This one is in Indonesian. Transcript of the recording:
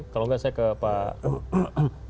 kalau nggak saya ke pak ahok